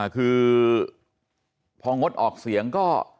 คือพองดออกเสียงก็